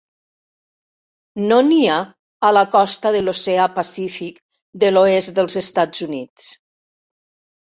No n'hi ha a la Costa de l'Oceà Pacífic de l'oest dels Estats Units.